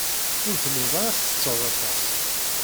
Ur tellid ara tettetted aṭas.